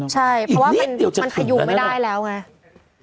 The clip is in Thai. ใช่เพราะว่ามันพยุงไม่ได้แล้วไง